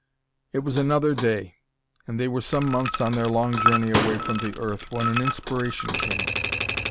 It was another day, and they were some months on their long journey away from the earth when an inspiration came.